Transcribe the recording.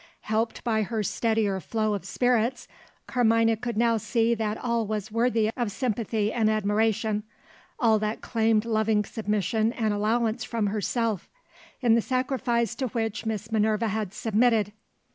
Helped by her steadier flow of spirits, Carmina could now see all that was worthiest of sympathy and admiration, all that claimed loving submission and allowance from herself, in the sacrifice to which Miss Minerva had submitted.